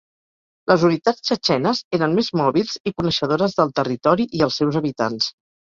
Les unitats txetxenes eren més mòbils i coneixedores del territori i els seus habitants.